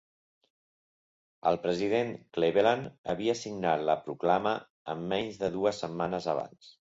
El president Cleveland havia signat la proclama en menys de dues setmanes abans.